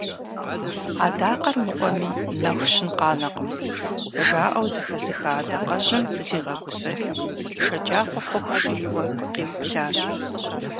«Адакъэр мыӏуэми нэху щын къанэкъым» жаӏэу зэхэзыха адэкъэжьым зигъэгусэри шэджагъуэ хъуху жейуэ къиублащ.